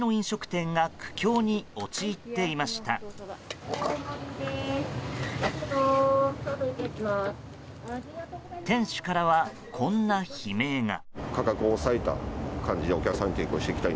店主からは、こんな悲鳴が。